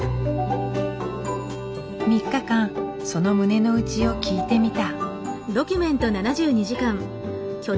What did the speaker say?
３日間その胸の内を聞いてみた。